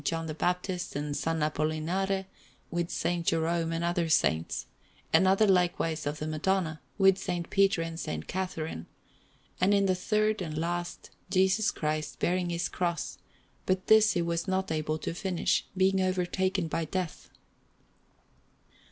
John the Baptist, and S. Apollinare, with S. Jerome and other saints; another likewise of the Madonna, with S. Peter and S. Catharine; and in the third and last Jesus Christ bearing His Cross, but this he was not able to finish, being overtaken by death.